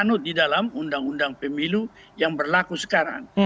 anud di dalam undang undang pemilu yang berlaku sekarang